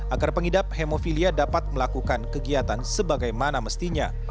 agar pengidap hemofilia dapat melakukan kegiatan sebagaimana mestinya